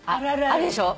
あるでしょ？